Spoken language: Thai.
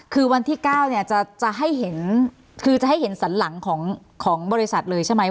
คือวันที่๙จะให้เห็นสันหลังของบริษัทเลยใช่ไหม